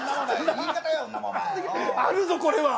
あるぞこれは。